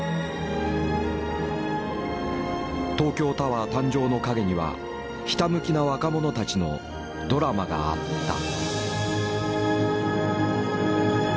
東京タワー誕生の陰にはひたむきな若者たちのドラマがあった。